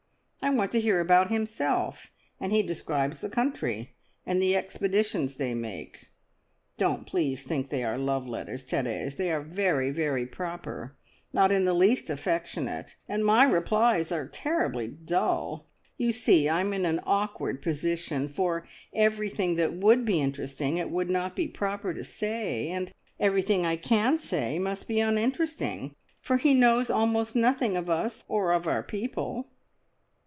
I want to hear about himself, and he describes the country, and the expeditions they make. Don't please think they are love letters, Therese. They are very, very proper, not in the least affectionate, and my replies are terribly dull. You see I'm in an awkward position, for everything that would be interesting it would not be proper to say, and everything I can say must be uninteresting, for he knows almost nothing of us or of our people."